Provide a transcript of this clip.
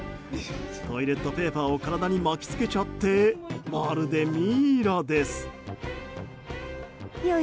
トイレットペーパーを体に巻き付けちゃってまるで、ミイラです。